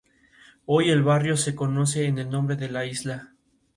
Hoy el barrio se conoce en el nombre de La Isla.